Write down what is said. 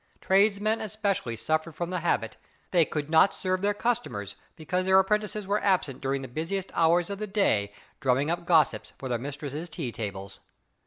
Tradesmen especially suffered from the habit. They could not serve their customers because their apprentices were absent during the busiest hours of the day drumming up gossips for their mistresses' tea tables.